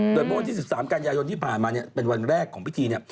โดยเมื่อวันที่๑๓กันยายนที่ผ่านมาเป็นวันแรกของพิธี